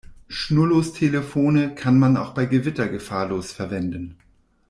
Schnurlostelefone kann man auch bei Gewitter gefahrlos verwenden.